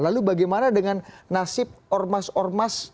lalu bagaimana dengan nasib ormas ormas